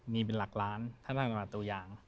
มีเป็นหลักล้านธนบัตรตัวอย่าง